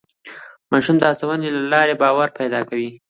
ماشومان د هڅونې له لارې باور پیدا کوي